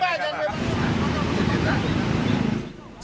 bagi ini bagi ini